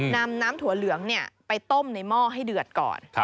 นำน้ำถั่วเหลืองไปต้มในหม้อให้เดือดก่อน